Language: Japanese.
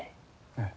ええ。